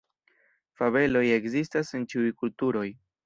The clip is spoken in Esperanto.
Fabeloj ekzistas en ĉiuj kulturoj.